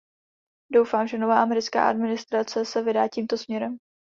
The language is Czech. Doufám, že nová americká administrace se vydá tímto směrem.